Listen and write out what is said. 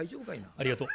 ありがとう。